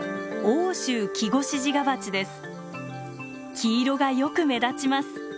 黄色がよく目立ちます。